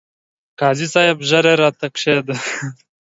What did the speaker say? قاضي صاحب! ژر يې راته کښېږده ،